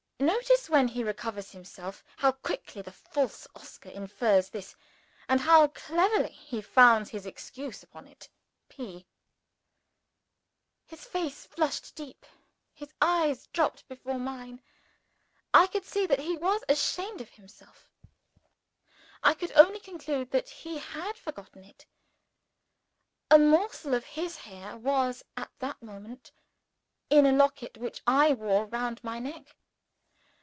Notice, when he recovers himself, how quickly the false Oscar infers this, and how cleverly he founds his excuse upon it. P.] His face flushed deep; his eyes dropped before mine. I could see that he was ashamed of himself I could only conclude that he had forgotten it! A morsel of his hair was, at that moment, in a locket which I wore round my neck.